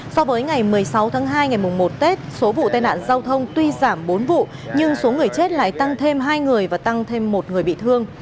so với ngày một mươi sáu tháng hai ngày một tết số vụ tai nạn giao thông tuy giảm bốn vụ nhưng số người chết lại tăng thêm hai người và tăng thêm một người bị thương